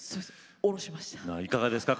降ろしました。